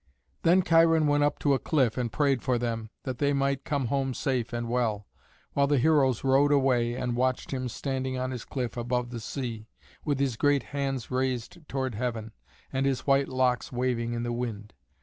Then Cheiron went up to a cliff and prayed for them, that they might come home safe and well, while the heroes rowed away and watched him standing on his cliff above the sea, with his great hands raised toward heaven, and his white locks waving in the wind.